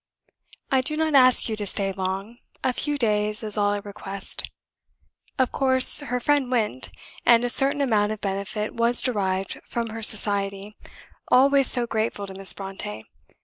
I do not ask you to stay long; a few days is all I request." Of course, her friend went; and a certain amount of benefit was derived from her society, always so grateful to Miss Brontë.